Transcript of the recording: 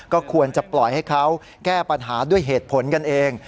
ก็ควรจะปล่อยให้เขาแก้ปัญหาด้วยเหตุผลกันเอง